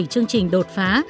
bảy chương trình đột phá